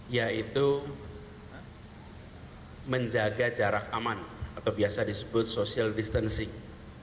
yaitu menjaga jarak aman atau biasa disebut social distancing